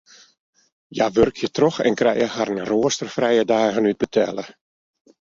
Hja wurkje troch en krije harren roasterfrije dagen útbetelle.